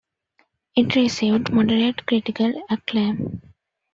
It received moderate critical acclaim.